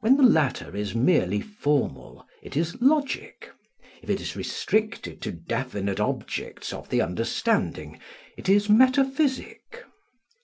When the latter is merely formal it is logic; if it is restricted to definite objects of the understanding it is metaphysic.